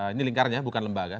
ini lingkaran ya bukan lembaga